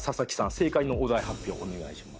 正解のお題発表お願いします。